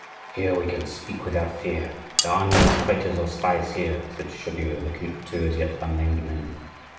"Here we can speak without fear; there are no traitors or spies here," said Chaudieu, looking at the two as yet unnamed men.